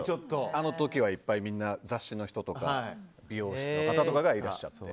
あの時はいっぱい雑誌の人とか美容師の方とかがいらっしゃって。